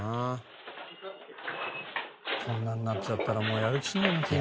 こんなになっちゃったらもうやる気しないな次の日。